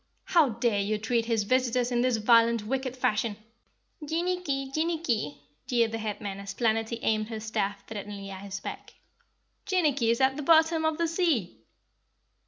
How dare you treat his visitors in this violent wicked fashion?" "Jinnicky! Jinnicky!" jeered the Headman as Planetty aimed her staff threateningly at his back. "Jinnicky is at the bottom of the sea!"